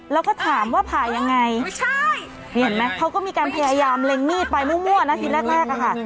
แล้วก็ถามว่าผ่ายังไงใช่นี่เห็นไหมเขาก็มีการพยายามเล็งมีดไปมั่วนะทีแรกอะค่ะ